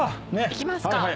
いきますか。